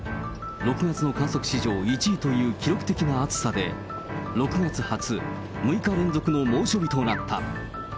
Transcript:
６月の観測史上１位という記録的な暑さで、６月初６日連続の猛暑日となった。